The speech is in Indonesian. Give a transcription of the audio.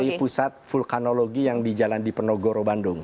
dari pusat vulkanologi yang di jalan di penogoro bandung